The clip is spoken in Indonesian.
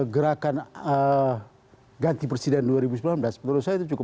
gerakan ganti presiden dua ribu sembilan belas menurut saya cukup berpengaruh kepada jokowi